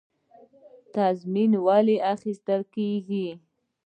تضمین ولې اخیستل کیږي؟